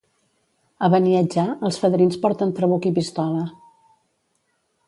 A Beniatjar, els fadrins porten trabuc i pistola.